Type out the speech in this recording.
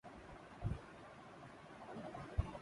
Bali would king Arnold Schwarzenegger جلد افریقہ کاسفر کریں گے